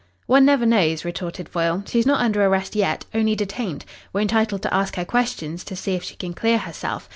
"One never knows," retorted Foyle. "She's not under arrest yet only detained. We're entitled to ask her questions to see if she can clear herself.